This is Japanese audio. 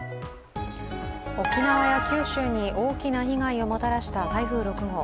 沖縄や九州に大きな被害をもたらした台風６号。